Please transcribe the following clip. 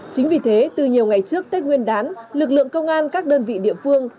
chính vì thế từ nhiều ngày trước tết nguyên đán lực lượng công an các đơn vị địa phương đã tăng cường công an